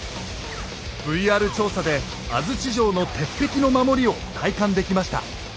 ＶＲ調査で安土城の鉄壁の守りを体感できました。